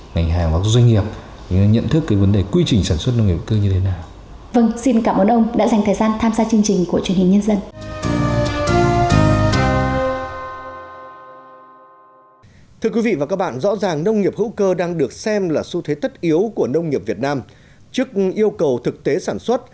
ngành hàng và doanh nghiệp nhận thức cái vấn đề quy trình sản xuất nông nghiệp hữu cơ như thế nào